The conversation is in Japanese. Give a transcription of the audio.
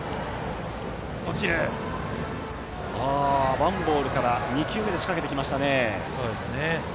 ワンボールから２球目で仕掛けてきましたね。